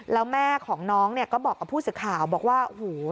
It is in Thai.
แล้วแม่ของน้องก็บอกกับผู้สื่อข่าวบอกว่า